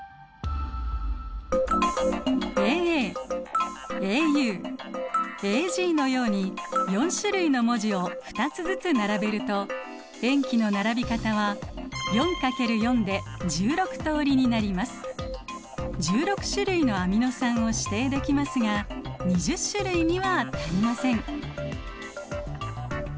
ＡＡＡＵＡＧのように４種類の文字を２つずつ並べると塩基の並び方は１６種類のアミノ酸を指定できますが２０種類には足りません。